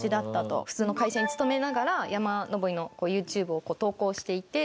普通の会社に勤めながら山登りのＹｏｕＴｕｂｅを投稿していて。